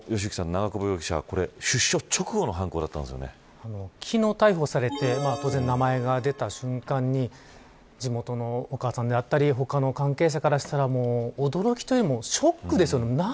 長久保容疑者は出所直後の昨日逮捕されて名前が出た瞬間に地元のお母さんであったり他の関係者からしたら驚きというよりもショックですよね。